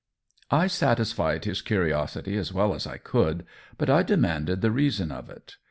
I satisfied his curiosity as well as I could, but I demanded the reason of it.